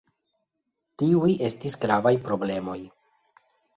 Tiuj estis gravaj problemoj.